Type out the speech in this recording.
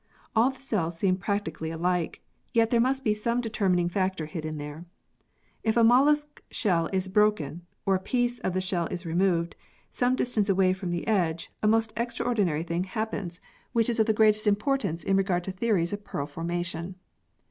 All the cells seem practically alike, yet there must be some determining factor hidden there. If a mollusc shell is broken (or a piece of the shell is removed) some distance away from the edge, a most extraordinary thing happens in] THE PEARL OYSTER 25 which is of the greatest importance in regard to theories of pearl formation.